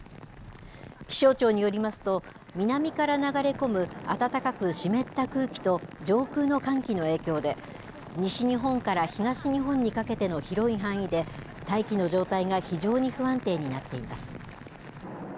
気象庁によりますと、南から流れ込む暖かく湿った空気と上空の寒気の影響で、西日本から東日本にかけての広い範囲で、大気の状態が非常に不安定になっています。